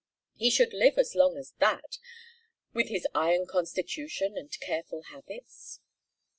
He should live as long as that, with his iron constitution and careful habits.